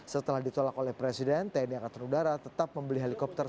setelah ditolak oleh presiden tni angkatan udara tetap membeli helikopter